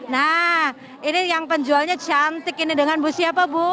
nah ini yang penjualnya cantik ini dengan bu siapa bu